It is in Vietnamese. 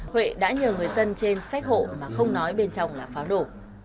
huệ đã nhờ người dân trên sách hộ mà không nói bên trong là pháo nổ